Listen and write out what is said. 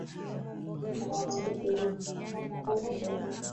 Miti imepandwa